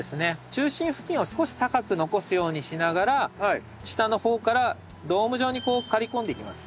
中心付近を少し高く残すようにしながら下の方からドーム状にこう刈り込んでいきます。